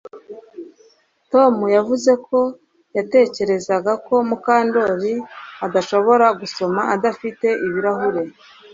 Tom yavuze ko yatekerezaga ko Mukandoli adashobora gusoma adafite ibirahure